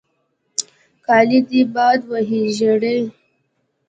کالې دې باد وهي ژړې.